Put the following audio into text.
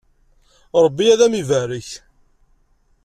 Rebbi ad am-ibarek.